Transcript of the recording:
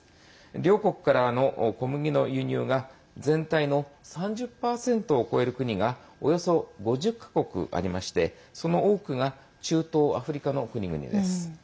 両国からの小麦の輸入が全体の３０％を超える国がおよそ５０か国ありましてその多くが中東、アフリカの国々です。